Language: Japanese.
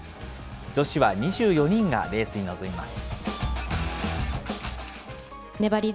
女子は２４人がレースに臨みます。